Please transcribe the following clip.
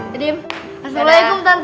ya dim assalamualaikum tante